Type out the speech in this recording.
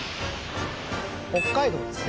北海道ですね